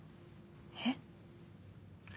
えっ。